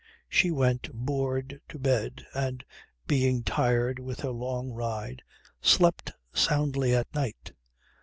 She went bored to bed and being tired with her long ride slept soundly all night.